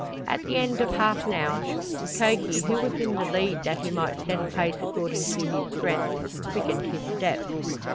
At the end of half an hour Mukoki, who was in the lead that he might set a pace according to his strength, quickened his steps.